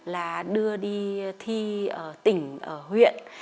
là đưa đi thi ở tỉnh ở huyện